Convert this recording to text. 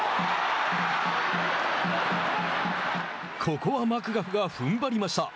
ここはマクガフが踏ん張りました。